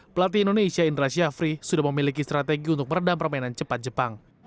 pelatih indonesia indra syafri sudah memiliki strategi untuk meredam permainan cepat jepang